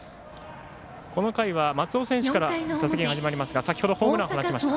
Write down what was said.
この回は、松尾選手から打席が始まりますが先ほどホームランを放ちました。